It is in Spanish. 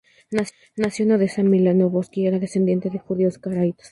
Nacido en Odesa, Malinovski era descendiente de judíos caraítas.